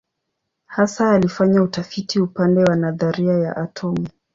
Hasa alifanya utafiti upande wa nadharia ya atomu.